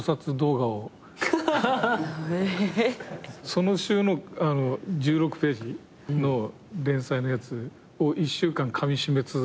その週の１６ページの連載のやつを１週間かみしめ続けて。